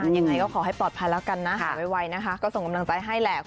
ยังไงก็ขอให้ปลอดภัยแล้วกันนะหายไวนะคะก็ส่งกำลังใจให้แหละ